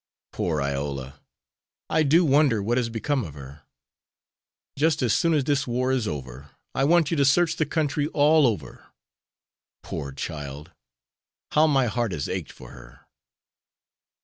Poor Iola! I do wonder what has become of her? Just as soon as this war is over I want you to search the country all over. Poor child! How my heart has ached for her!"